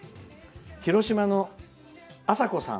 広島のあさこさん。